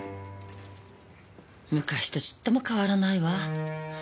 昔とちっとも変わらないわ。